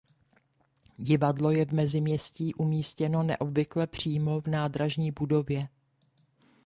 Divadlo je v Meziměstí umístěno neobvykle přímo v nádražní budově.